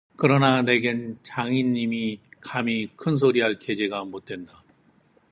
그러나 내겐 장인님이 감히 큰소리할 계제가 못된다.